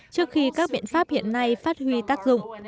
trước khi các biện pháp hiện nay phát huy tác dụng